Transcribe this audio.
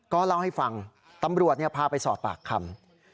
ก็เล่าให้ฟังตำรวจพาไปสอบปากคำ